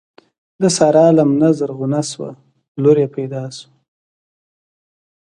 د سارا لمنه زرغونه شوه؛ لور يې پیدا شوه.